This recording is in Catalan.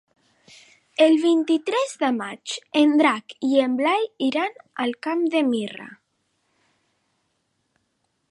El vint-i-tres de maig en Drac i en Blai iran al Camp de Mirra.